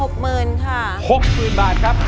๖๐๐๐๐บาทค่ะ๖๐๐๐๐บาทครับ